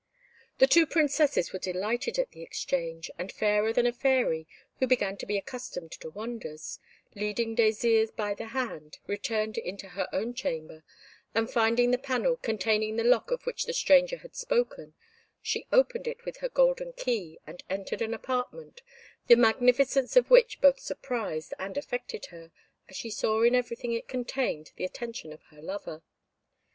The two Princesses were delighted at the exchange, and Fairer than a Fairy, who began to be accustomed to wonders, leading Désirs by the hand, returned into her own chamber, and finding the panel containing the lock of which the stranger had spoken, she opened it with her golden key, and entered an apartment, the magnificence of which both surprised and affected her, as she saw in everything it contained the attention of her lover.